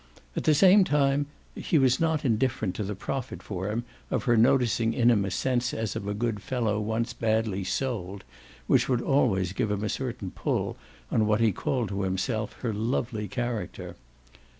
At the same time he was not indifferent to the profit for him of her noticing in him a sense as of a good fellow once badly "sold," which would always give him a certain pull on what he called to himself her lovely character.